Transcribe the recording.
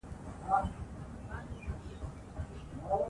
الله جل جلاله د صبرناکو ملګری دئ!